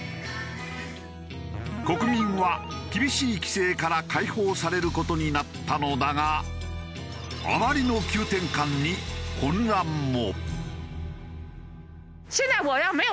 国民は厳しい規制から解放される事になったのだがあまりの急転換に混乱も。